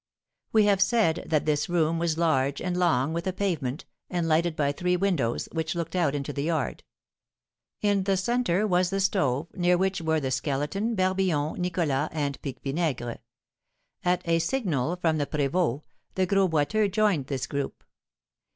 We have said that this room was large and long, with a pavement, and lighted by three windows, which looked out into the yard. In the centre was the stove, near which were the Skeleton, Barbillon, Nicholas, and Pique Vinaigre. At a signal from the prévôt, the Gros Boiteux joined this group.